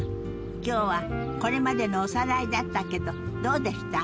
今日はこれまでのおさらいだったけどどうでした？